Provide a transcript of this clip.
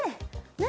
何？